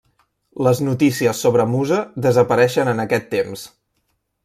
Les notícies sobre Musa desapareixen en aquest temps.